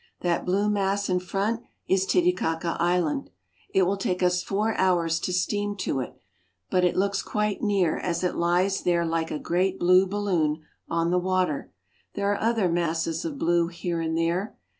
That blue mass in front is Titicaca Island. It will take us four hours to steam to it, but it looks quite near as it Hes there like a great blue balloon on the water. There are other masses of blue here and there.